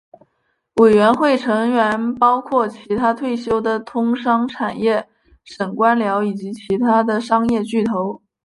委员会成员包括其它退休的通商产业省官僚以及其它的商业巨头。